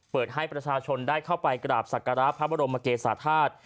เปิดให้ประชาชนได้เข้าไปกราบศักระพระบรมเกษาธาตุ